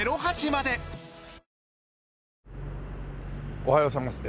おはようございます。